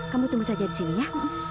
kamu tunggu saja di sini ya